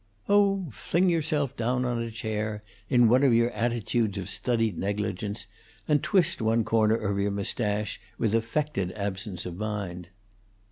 "Oh, fling yourself down on a chair in one of your attitudes of studied negligence; and twist one corner of your mustache with affected absence of mind."